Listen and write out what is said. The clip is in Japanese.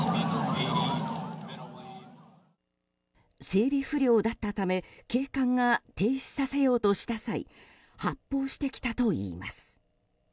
整備不良だったため警官が停止させようとした際発砲してきたといいます。